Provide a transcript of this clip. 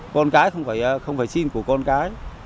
con cái không phải sinh của con cái